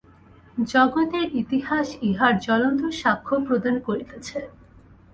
জগতের ইতিহাস ইহার জ্বলন্ত সাক্ষ্য প্রদান করিতেছে।